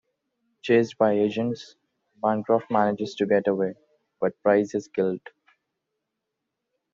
Chased by agents, Bancroft manages to get away, but Price is killed.